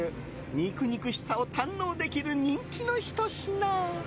肉々しさを堪能できる人気のひと品。